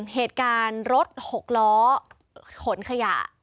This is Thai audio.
เหตุการณ์รถหกล้อขนขยะ